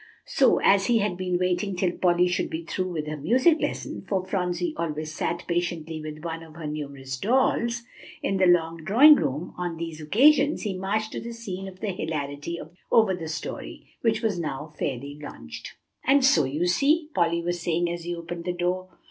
So as he had been waiting till Polly should be through with her music lesson, for Phronsie always sat patiently with one of her numerous dolls, in the long drawing room, on these occasions, he marched to the scene of the hilarity over the story, which was now fairly launched. "And so you see," Polly was saying, as he opened the door.